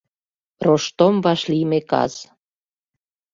РОШТОМ ВАШЛИЙМЕ КАС